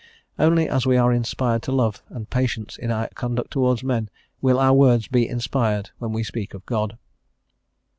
Only as we are inspired to love and patience in our conduct towards men will our words be inspired when we speak of God.